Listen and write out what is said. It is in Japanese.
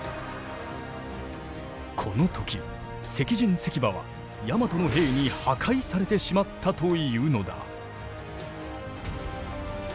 この時石人石馬はヤマトの兵に破壊されてしまったというのだ。